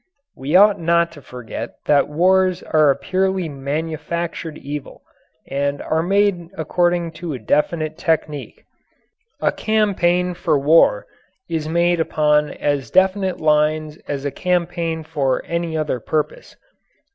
We ought not to forget that wars are a purely manufactured evil and are made according to a definite technique. A campaign for war is made upon as definite lines as a campaign for any other purpose.